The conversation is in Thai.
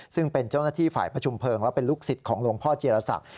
ซึ่งเป็นเจ้าหน้าที่ฝ่ายประชุมเพลิงและเป็นลูกศิษย์ของหลวงพ่อจีรศักดิ์